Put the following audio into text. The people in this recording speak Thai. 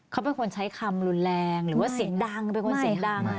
เขาเป็นคนใช้คำรุนแรงหรือว่าเสียงดังเป็นคนเสียงดัง